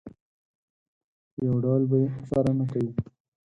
په یو ډول به یې څارنه کوي.